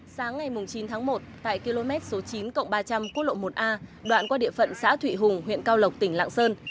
sáng ngày chín tháng một tại km số chín ba trăm linh quốc lộ một a đoạn qua địa phận xã thụy hùng huyện cao lộc tỉnh lạng sơn